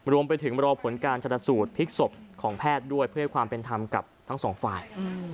รวมไปถึงรอผลการชนสูตรพลิกศพของแพทย์ด้วยเพื่อให้ความเป็นธรรมกับทั้งสองฝ่าย